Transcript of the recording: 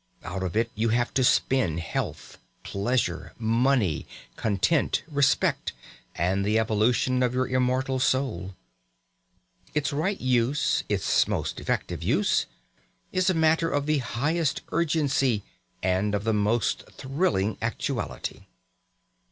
Out of it you have to spin health, pleasure, money, content, respect, and the evolution of your immortal soul. Its right use, its most effective use, is a matter of the highest urgency and of the most thrilling actuality.